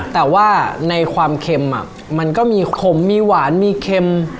แต่ว่าในความเค็มมันก็มีขมมีหวานมีเค็ม